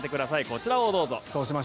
こちらをどうぞ。